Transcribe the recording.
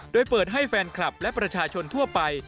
โดยเปิดให้แฟนคลับและประชาชนทั่วไป